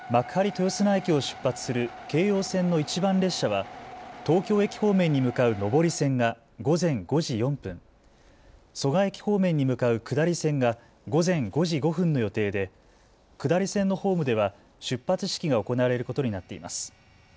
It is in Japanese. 豊砂駅を出発する京葉線の一番列車は東京駅方面に向かう上り線が午前５時４分、蘇我駅方面に向かう下り線が午前５時５分の予定で下り線のホームでは出発式が行われることになっています。